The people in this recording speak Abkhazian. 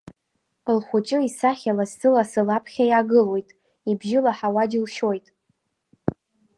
Лхәыҷы исахьа лассы-лассы лаԥхьа иаагылоит, ибжьы лаҳауа џьылшьоит.